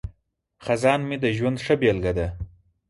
خزان مې د ژوند ښه بیلګه ده.